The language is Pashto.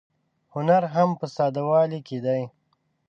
هنر هم په ساده والي کې دی.